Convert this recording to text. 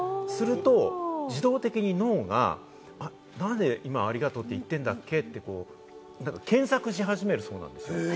すると自動的に脳が、なぜ今ありがとうって言ってんだっけって、検索し始めるそうなんですよ。